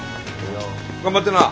頑張ってな。